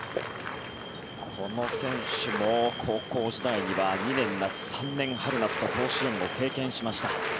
この選手も高校時代には２年夏、３年春夏と甲子園を経験しました。